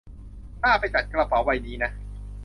น่าไปจัดกระเป๋าใบนี้นะ